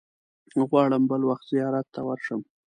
غواړم بل وخت زیارت ته ورشم.